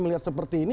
melihat seperti ini